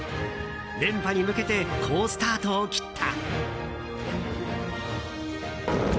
連覇に向けて好スタートを切った。